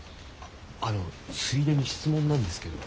あのついでに質問なんですけど。